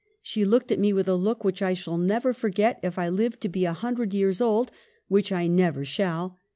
She looked at me with a look which I shall never forget, if I live to be a hundred years old — which I never shall.